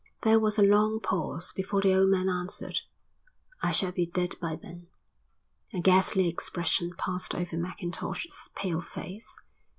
There was a long pause before the old man answered, "I shall be dead by then." A ghastly expression passed over Mackintosh's pale face.